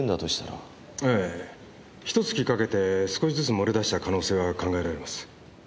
ええひと月かけて少しずつ漏れ出した可能性は考えられます。